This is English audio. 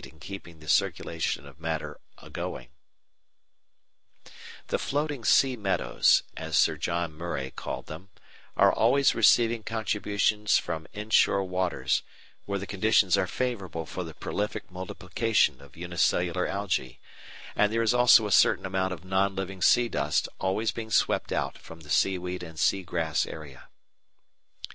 Upper fish, male; lower, female.] The "floating sea meadows," as Sir John Murray called them, are always receiving contributions from inshore waters, where the conditions are favourable for the prolific multiplication of unicellular Algæ, and there is also a certain amount of non living sea dust always being swept out from the seaweed and sea grass area.